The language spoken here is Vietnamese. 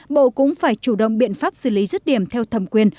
bộ cũng phải chủ động biện pháp xử lý rứt điểm theo thẩm quyền